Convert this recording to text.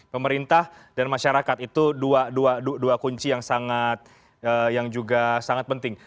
pemerintah dan masyarakat itu dua kunci yang juga sangat penting